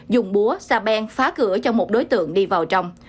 dùng búa xa ben phá cửa cho một đối tượng đi vào trong